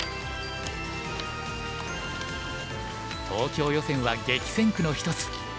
東京予選は激戦区の一つ。